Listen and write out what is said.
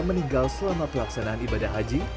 meninggal selama pelaksanaan ibadah haji